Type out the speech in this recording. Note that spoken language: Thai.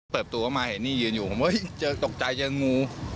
เติบตัวมาเห็นนี่ยืนอยู่ผมตกใจเจองู